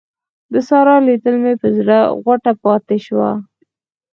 د سارا لیدل مې پر زړه غوټه پاته شول.